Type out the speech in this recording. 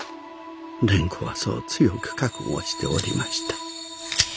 蓮子はそう強く覚悟しておりました。